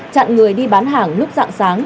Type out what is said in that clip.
chặn người đi bán hàng lúc dạng sáng